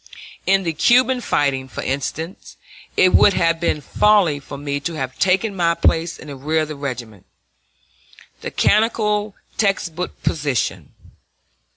In the Cuban fighting, for instance, it would have been folly for me to have taken my place in the rear of the regiment, the canonical text book position.